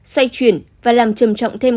xoay chuyển và làm trầm trọng thêm